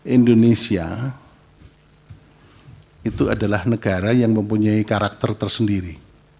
indonesia itu adalah negara yang mempunyai karakter tersendiri